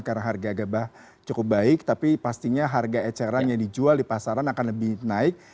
karena harga gabah cukup baik tapi pastinya harga eceran yang dijual di pasaran akan lebih naik